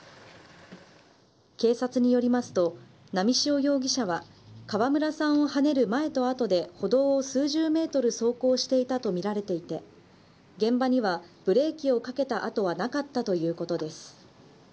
警察によりますと、波汐容疑者は、川村さんをはねる前とあとで歩道を数十メートル走行していたと見られていて、現場にはブレーキをかけたあとはなかったということです。